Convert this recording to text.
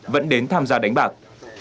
vẫn đến tham gia đánh bạc